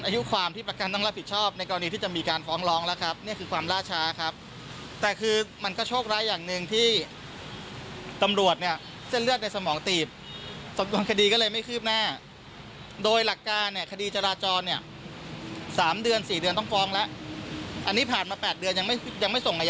ยังไม่ส่งอายการเลย